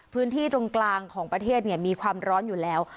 พื้นที่ตรงกลางของประเทศมีความร้อนอยู่แล้ว